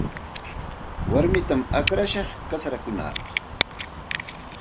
Warmitam akllashaq kasarakunaapaq.